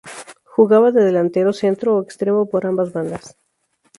Jugaba de delantero centro o extremo por ambas bandas.